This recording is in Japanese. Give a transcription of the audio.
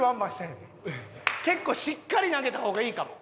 結構しっかり投げた方がいいかも。